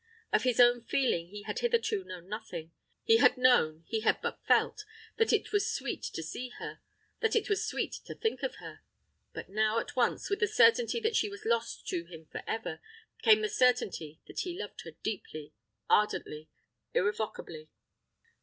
Of his own feeling he had hitherto known nothing: he had known, he had but felt, that it was sweet to see her, that it was sweet to think of her; but now at once, with the certainty that she was lost to him for ever, came the certainty that he loved her deeply, ardently, irrevocably.